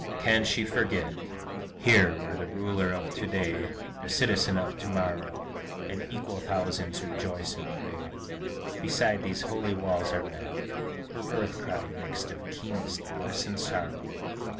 Can she forget, Here, where the Ruler of to day, The Citizen of to morrow, And equal thousands to rejoice and pray Beside these holy walls are met, Her birth cry, mixed of keenest bliss and sorrow?